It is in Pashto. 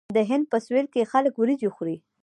د هند په سویل کې خلک وریجې خوري.